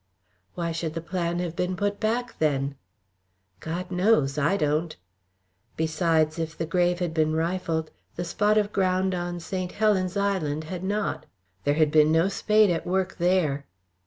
"Why should the plan have been put back, then?" "God knows! I don't." "Besides, if the grave had been rifled, the spot of ground on St. Helen's Island had not. There had been no spade at work there."